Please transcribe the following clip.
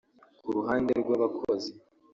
Ku ruhande rw’abakozi